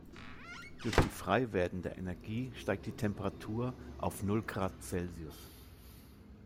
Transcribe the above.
Durch die frei werdende Energie steigt die Temperatur auf null Grad Celsius.